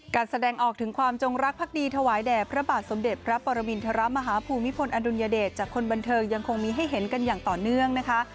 แสดงออกถึงความจงรักภักดีถวายแด่พระบาทสมเด็จพระปรมินทรมาฮภูมิพลอดุลยเดชจากคนบันเทิงยังคงมีให้เห็นกันอย่างต่อเนื่องนะคะ